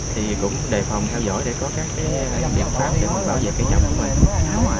thì cũng đề phòng theo dõi để có các biện pháp để bảo vệ cây dốc của mình